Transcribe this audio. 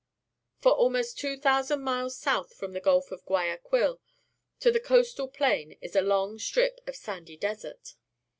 For almost 2,000 miles south from the Gulf of Guayaquil the coastal plain is a long strip of sandy desert.